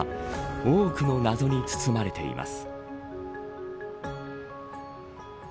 多くの謎に包まれています。